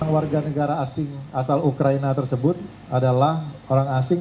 delapan warga negara asing asal ukraina tersebut adalah orang asing